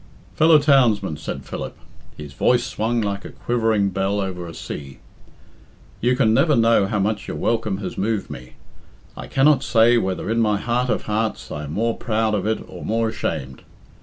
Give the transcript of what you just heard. "Fellow townsmen," said Philip his voice swung like a quivering bell over a sea, "you can never know how much your welcome has moved me. I cannot say whether in my heart of hearts I am more proud of it or more ashamed.